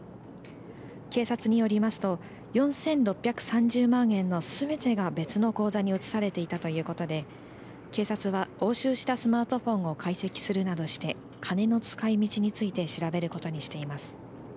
警察によりますと４６３０万円のすべてが別の口座に移されていたということで警察は押収したスマートフォンを解析するなどして金の使いみちについて調べることにしています。